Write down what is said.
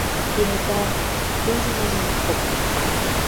Кенета чуж-ж-ж шоктыш...